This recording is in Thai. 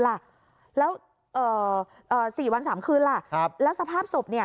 แล้ว๔วัน๓คืนแล้วสภาพศพ